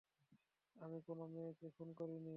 আমি কোনো মেয়েকে খুন করিনি!